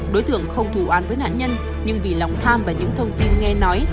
đối tượng không thù an với nạn nhân nhưng vì lòng tham và những thông tin nghe nói